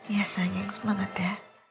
ya sayang semangat ya